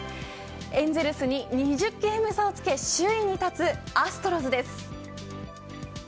エンゼルスに２０ゲーム差をつけ首位に立つアストロズです。